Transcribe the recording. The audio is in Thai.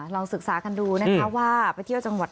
ลองศึกษากันดูนะคะว่าไปเที่ยวจังหวัด